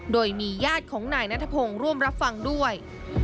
โดยมีญาติของนายนัทพงศ์ร่วมรับฟังด้วย